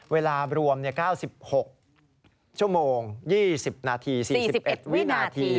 เวลารวม๙๖ชั่วโมง๒๐นาที๔๑วินาที